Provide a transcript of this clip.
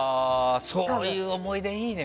そういう思い出いいね。